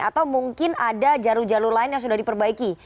atau mungkin ada jalur jalur lain yang sudah diperbaiki